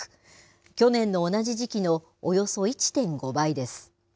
去年の同じ時期のおよそ１．５倍です。